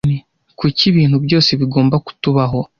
Kuki ibintu byose bigomba kutubaho?